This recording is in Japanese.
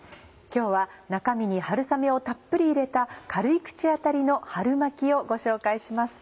今日は中身に春雨をたっぷり入れた軽い口当たりの春巻きをご紹介します。